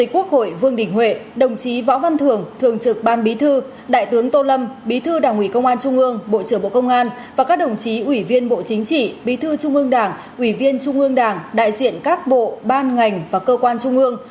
quốc hội vương đình huệ đồng chí võ văn thường thường trực ban bí thư đại tướng tô lâm bí thư đảng ủy công an trung ương bộ trưởng bộ công an và các đồng chí ủy viên bộ chính trị bí thư trung ương đảng ủy viên trung ương đảng đại diện các bộ ban ngành và cơ quan trung ương